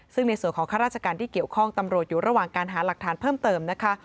ซึ่งในส่วนของข้าราชการที่เกี่ยวข้องตำรวจอยู่ระหว่างการหาหลักฐานเพิ่มเติมนะคะ